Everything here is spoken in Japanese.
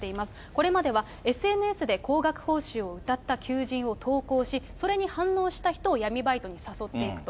これまではＳＮＳで高額報酬をうたった求人を投稿し、それに反応した人を闇バイトに誘っていくと。